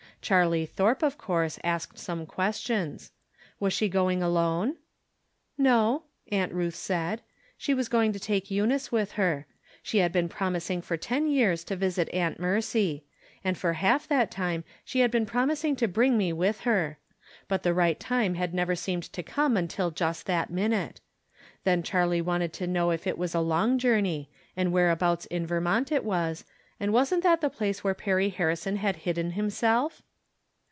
Charlie Thorpe, of course, asked some questions. Was she going alone ? "No," Aunt Ruth said. She was going to take Eunice with her. She had been promising for ten years to visit Aunt Mercy ; and for half that time she had been promising to bring me with her ; but the right time had never seemed to come untiL just that minute. Then Charlie wanted to know if it was a long journey, and whereabouts in Vermont it was, and wasn't that the place where Perry Harrison had hidden him self.